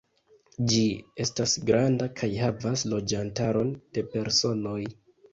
Ĝi estas granda kaj havas loĝantaron de personoj.